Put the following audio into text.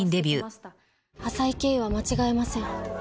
「浅井ケイは間違えません」